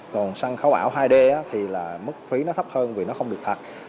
còn sân khấu ảo hai d thì là mức phí nó thấp hơn vì nó không được thật